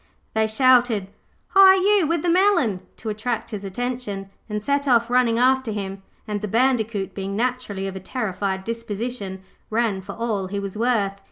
They shouted, 'Hi, you with the melon!' to attract his attention, and set off running after him, and the Bandicoot, being naturally of a terrified disposition, ran for all he was worth.